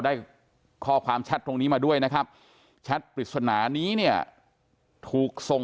ได้ข้อความแชทตรงนี้มาด้วยนะครับแชทปริศนานี้เนี่ยถูกส่ง